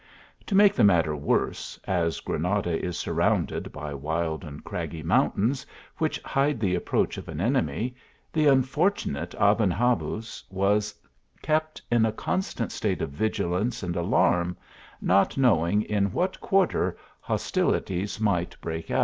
To make the matter worse, as Granada is surrounded by wild and craggy mountains which hide the ap proach of an enemy, the unfortunate Aben Habuz was kept in a constant state of vigilance and alarm, not knowing in what quarter hostilities might break out.